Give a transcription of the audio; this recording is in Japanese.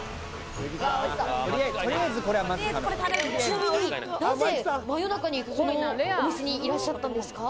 ちなみになぜ真夜中にこのお店にいらっしゃったんですか？